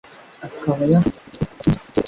Akaba yakumbuye urugereroBashumishe Urukerereza